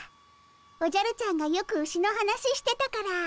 おじゃるちゃんがよくウシの話してたから。